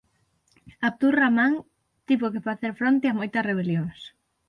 Abdur Rahman tivo que facer fronte a moitas rebelións.